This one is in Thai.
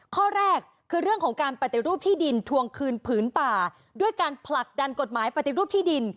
ข้อแรกคือเรื่องของการปฏิรูปที่ดินทวงคืนผืนป่าด้วยการผลักดันกฎหมายปฏิรูปที่ดิน